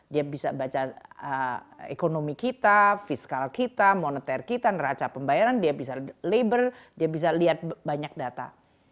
dia bisa baca ekonomi kita fiskal kita moneter kita neraca pembayaran dia bisa labor dia bisa lihat banyak data